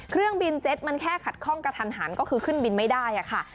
เครื่องบินเจ็ตมันแค่ขัดข้องกระทันหันก็คือขึ้นบินไม่ได้ค่ะ